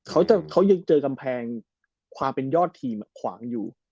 เขายังเจอกำแพงความเป็นยอดทีมขวางอยู่